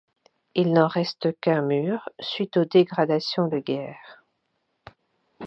Il n'en reste qu'un mur suite aux dégradations de guerre.